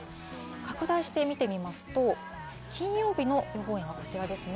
拡大して見てみますと、金曜日の予報円がこちらです。